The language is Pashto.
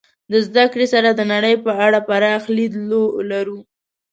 د زدهکړې سره د نړۍ په اړه پراخ لید لرو.